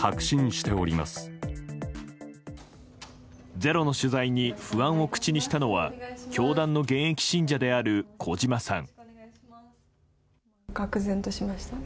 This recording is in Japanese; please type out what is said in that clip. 「ｚｅｒｏ」の取材に不安を口にしたのは教団の現役信者である小嶌さん。